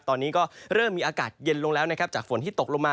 ตอนนี้ก็เริ่มมีอากาศเย็นลงแล้วนะครับจากฝนที่ตกลงมา